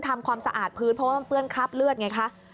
ทำความสะอาดพื้นเพราะว่ามันเปื้อนคราบเลือดไงคะ